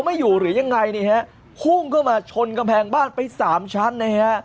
ไม่อยู่หรือยังไงนี่ฮะพุ่งเข้ามาชนกำแพงบ้านไปสามชั้นนะฮะ